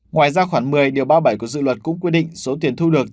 ngoài ra khoảng một mươi điều ba mươi bảy của dự luật cũng quy định số tiền thu được